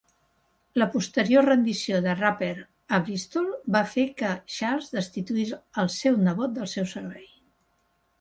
La posterior rendició de Rupert a Bristol va fer que Charles destituís al seu nebot del seu servei.